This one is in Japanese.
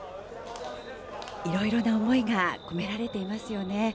いろいろな思いが込められていますよね。